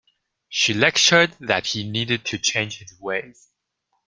She lectured that he needed to change his ways.